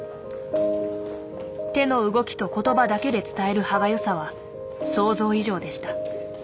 手の動きと言葉だけで伝える歯がゆさは想像以上でした。